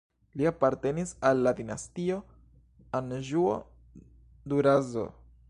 Li apartenis al la dinastio Anĵuo-Durazzo.